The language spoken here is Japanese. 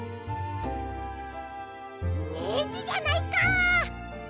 ネジじゃないか。